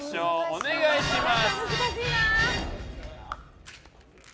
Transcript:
お願いします。